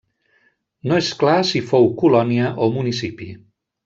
No és clar si fou colònia o municipi.